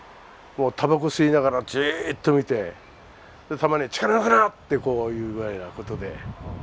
たばこを吸いながら、じっと見てたまに力を抜くな！ってこういう具合なことで。